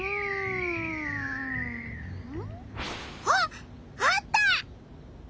あっあった！